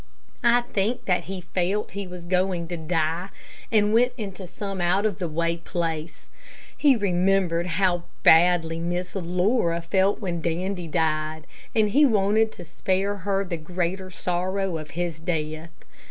I think that he felt he was going to die, and went into some out of the way place. He remembered how badly Miss Laura felt when Dandy died, and he wanted to spare her the greater sorrow of his death.